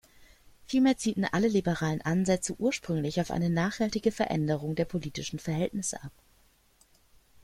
Vielmehr zielten alle liberalen Ansätze ursprünglich auf eine nachhaltige Veränderung der politischen Verhältnisse ab.